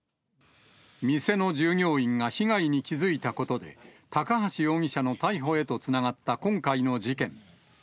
店の従業員が被害に気付いたことで、高橋容疑者の逮捕へとつながった今回の事件。